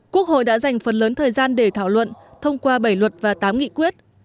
quốc hội đã dành phần lớn thời gian để thảo luận thông qua bảy luật và tám nghị quyết